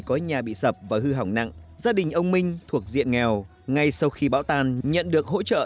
có nhà bị sập và hư hỏng nặng gia đình ông minh thuộc diện nghèo ngay sau khi bão tan nhận được hỗ trợ